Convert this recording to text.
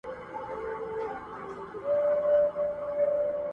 مرګه ونیسه لمنه چي در لوېږم.!